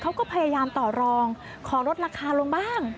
เขาก็พยายามต่อรองขอลดราคาลงบ้าง